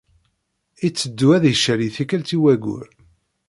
Itteddu ad icali tikkelt i wayyur.